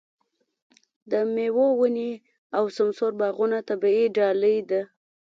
د مېوو ونې او سمسور باغونه طبیعي ډالۍ ده.